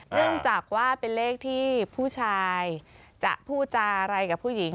เนื่องจากว่าเป็นเลขที่ผู้ชายจะพูดจาอะไรกับผู้หญิง